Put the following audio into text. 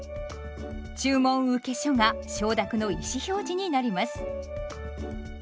注文請書が承諾の意思表示になります。